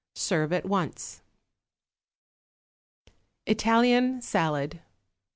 Serve at once. =Italian Salad.